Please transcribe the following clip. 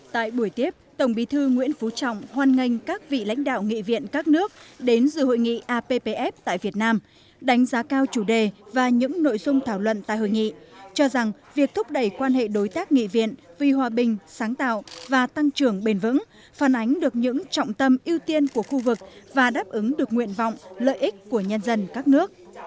tại buổi tiếp tổng bí thư nguyễn phú trọng hoan nghênh các vị lãnh đạo nghị viện các nước đến dự hội nghị appf tại việt nam đánh giá cao chủ đề và những nội dung thảo luận tại hội nghị cho rằng việc thúc đẩy quan hệ đối tác nghị viện vì hòa bình sáng tạo và tăng trưởng bền vững phản ánh được những trọng tâm ưu tiên của khu vực và đáp ứng được nguyện vọng lợi ích của nhân dân các nước